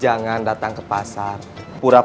jangan datang ke pasangan yang berpengalaman